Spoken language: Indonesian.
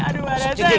aduh parete lihat tuh